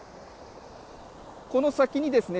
この先にですね